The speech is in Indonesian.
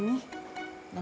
masih banyak cek